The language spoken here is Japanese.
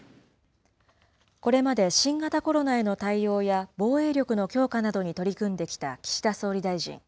これまで新型コロナへの対応や、防衛力の強化などに取り組んできた岸田総理大臣。